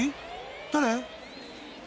誰？］